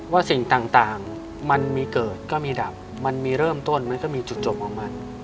สิ่งต่างมันมีเกิดก็มีดับมันมีเริ่มต้นมันก็มีจุดจบของมัน